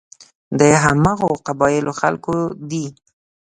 د همدغو قبایلو خلک دي.